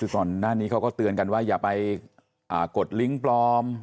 คือก่อนหน้านี้เขาก็เตือนกันว่าอย่าไปกดลิงก์ปลอม